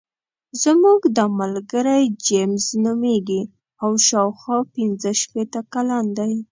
زموږ دا ملګری جیمز نومېږي او شاوخوا پنځه شپېته کلن دی.